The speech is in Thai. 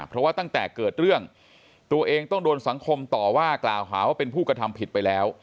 เพราะว่าตั้งแต่เกิดเรื่องตัวเองต้องโดนสังคมต่อว่ากล่าวหาว่าเป็นผู้กระทำผิดไปแล้ว